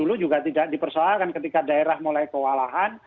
dulu juga tidak dipersoalkan ketika daerah mulai kewalahan